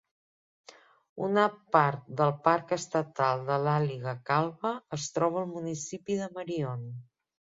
Una part del Parc Estatal de l'Àliga Calba es troba al municipi de Marion.